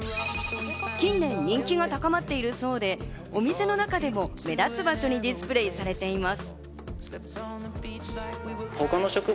近年、人気が高まっているそうで、お店の中でも目立つ場所にディスプレイされています。